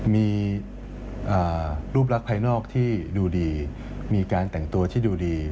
มีรูปลักษณ์ภายนอกที่ดูดีมีการแต่งตัวที่ดูดี